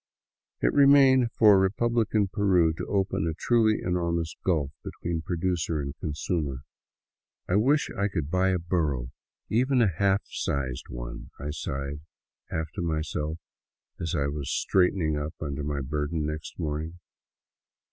It remained for republican Peru to open a truly enormous gulf between producer and consumer. " I wish I could buy a burro, even a half size one," I sighed, half to myself, as I was straightening up under my burden next morning.